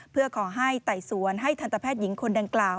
เพื่อขอให้ไต่สวนให้ทันตแพทย์หญิงคนดังกล่าว